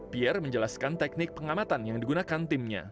pierre menjelaskan teknik pengamatan yang digunakan timnya